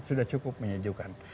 sudah cukup menyejukkan